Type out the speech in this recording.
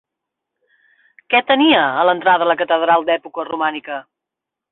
Què tenia a l'entrada la catedral d'època romànica?